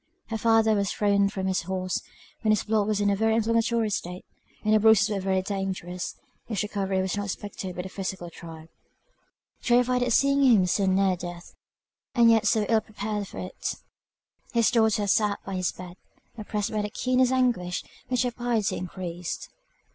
Her father was thrown from his horse, when his blood was in a very inflammatory state, and the bruises were very dangerous; his recovery was not expected by the physical tribe. Terrified at seeing him so near death, and yet so ill prepared for it, his daughter sat by his bed, oppressed by the keenest anguish, which her piety increased.